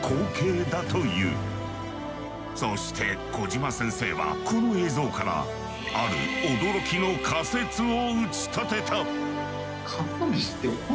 そして小島先生はこの映像からある驚きの仮説を打ち立てた。